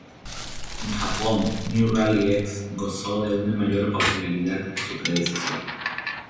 En Japón, "New Rally X" gozó de una mayor popularidad que su predecesor.